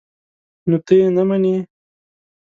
_نو ته يې نه منې؟